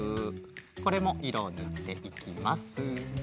これもいろをぬっていきます。